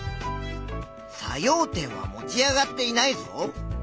作用点は持ち上がっていないぞ。